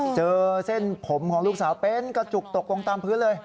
เส้นผมของลูกสาวเป็นกระจุกตกลงตามพื้นเลย